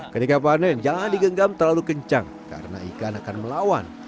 ketika panen jangan digenggam terlalu kencang karena ikan akan melawan